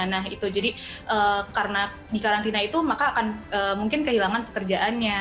nah itu jadi karena di karantina itu maka akan mungkin kehilangan pekerjaannya